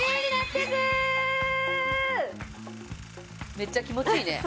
めっちゃ気持ちいいね。